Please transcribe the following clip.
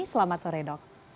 selamat sore dok